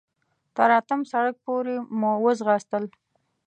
تر اتم سړک پورې مو وځغاستل.